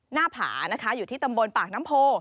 หน้าผานะคะอยู่ที่ตำบลปากน้ำโพ